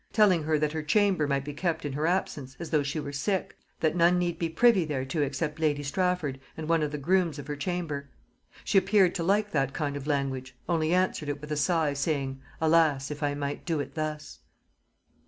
Telling her that her chamber might be kept in her absence, as though she were sick; that none need be privy thereto except lady Strafford, and one of the grooms of her chamber. She appeared to like that kind of language, only answered it with a sigh, saying, Alas, if I might do it thus!"